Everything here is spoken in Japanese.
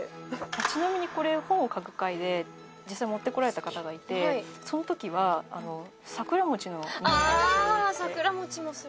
ちなみにこれ本を嗅ぐ会で実際持ってこられた方がいてその時は桜餅の匂いがするって。